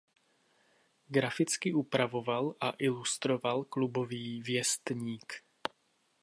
Graficky upravoval a ilustroval klubový Věstník.